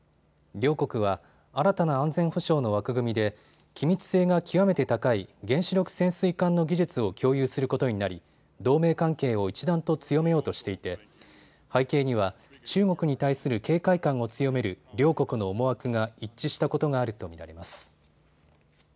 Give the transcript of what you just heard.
両国は新たな安全保障の枠組みで機密性が極めて高い原子力潜水艦の技術を共有することになり同盟関係を一段と強めようとしていて背景には中国に対する警戒感を強める両国の思惑が一致したことがあると見られます。